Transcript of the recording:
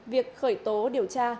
việc khởi tố điều tra